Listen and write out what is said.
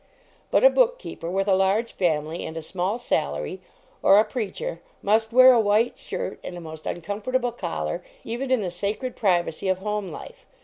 But a book keeper with a large family and a small sal ary, or a preacher, must wear a white shirt and a most uncomfortable collar, even in the sacred privacy of home life.